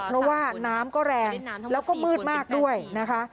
เพราะว่าน้ำก็แรงแล้วก็มืดมากด้วยนะคะ